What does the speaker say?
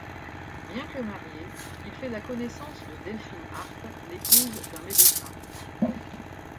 Bien que marié, il fait la connaissance de Delphine Hart, l'épouse d'un médecin.